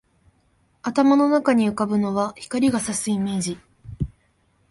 頭の中に浮ぶのは、光が射すイメージ